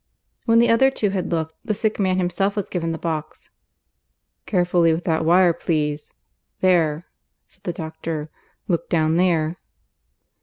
When the other two had looked, the sick man himself was given the box. "(Carefully with that wire, please.) There!" said the doctor. "Look down there."